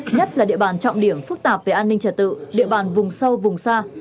nhất là địa bàn trọng điểm phức tạp về an ninh trật tự địa bàn vùng sâu vùng xa